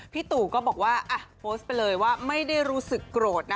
ตู่ก็บอกว่าโพสต์ไปเลยว่าไม่ได้รู้สึกโกรธนะ